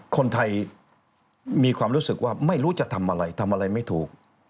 คนไทยมีความรู้สึกว่าไม่รู้จะทำอะไรทำอะไรไม่ถูก